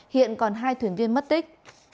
hiện còn hai thuyền viên mất tích